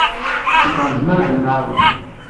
Cukkeɣ nezmer ad nemɛawan.